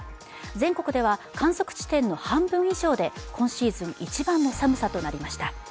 全国では観測地点の半分以上で今シーズン一番の寒さとなりました。